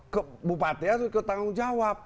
ke bupati harus ikut bertanggung jawab